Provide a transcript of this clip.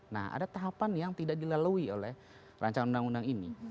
nah ada tahapan yang tidak dilalui oleh rancangan undang undang ini